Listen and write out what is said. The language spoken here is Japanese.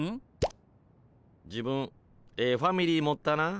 自分ええファミリー持ったな。